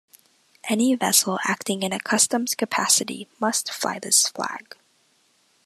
Any vessel acting in a customs capacity must fly this flag.